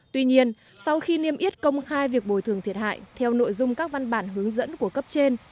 tuy nhiên sau khi niêm yết công khai việc bồi thường thiệt hại theo nội dung các văn bản hướng dẫn của cấp trên